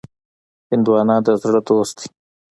هندوانه د زړه دوست دی.